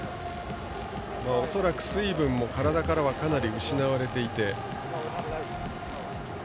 恐らく水分も体からはかなり失われていて。